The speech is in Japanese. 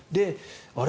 あれ？